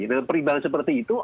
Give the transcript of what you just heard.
dengan perimbangan seperti itu